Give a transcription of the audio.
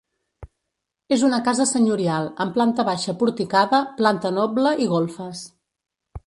És una casa senyorial, amb planta baixa porticada, planta noble i golfes.